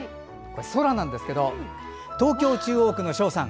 空なんですが東京・中央区のしょうさん。